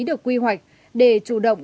được quy hoạch để chủ động